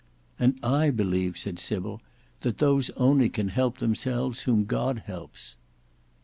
"And I believe," said Sybil, "that those only can help themselves whom God helps."